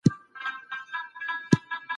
د زرګونو چي یې غاړي پرې کېدلې